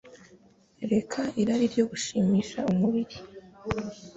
Reka irari ryo gushimisha umubiri